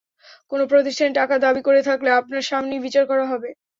কোনো প্রতিষ্ঠানে টাকা দাবি করে থাকলে আপনার সামনেই বিচার করা হবে।